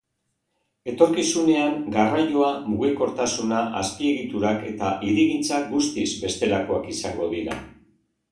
Etorkizunean, garraioa, mugikortasuna, azpiegiturak eta hirigintza guztiz bestelakoak izango dira.